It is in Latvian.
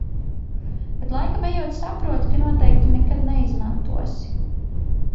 Bet laikam ejot saproti, ka noteikti nekad neizmantosi...